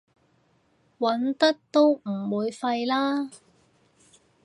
揾得都唔會廢啦